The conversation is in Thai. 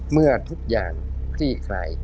เมื่อทุกอย่างคลี่คลาย